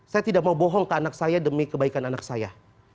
saya tidak mau bohong ke anak saya demi kebaikan anak saya